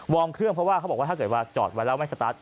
วอร์มเครื่องิเขาบอกว่าถ้าเกิดว่าจอดแล้วไม่สตาร์ท